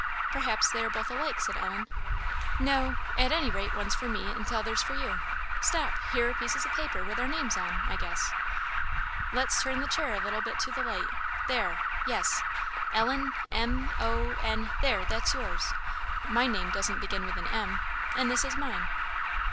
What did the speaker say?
"Perhaps they are both alike," said Ellen. "No at any rate, one's for me, and t'other's for you. Stop! here are pieces of paper, with our names, on I guess let's turn the chair a little bit to the light there yes! Ellen M o n there, that's yours; my name doesn't begin with an M; and this is mine!"